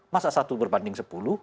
masa satu berbanding sepuluh